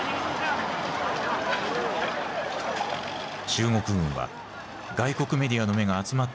中国軍は外国メディアの目が集まっているのを知りながら